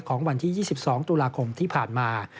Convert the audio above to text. วันที่๒๒ตุลาคมที่ผ่านมา